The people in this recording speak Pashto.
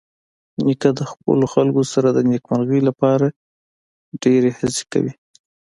نیکه د خپلو خلکو سره د نیکمرغۍ لپاره ډېرې هڅې کوي.